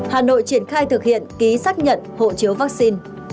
hà nội triển khai thực hiện ký xác nhận hộ chiếu vaccine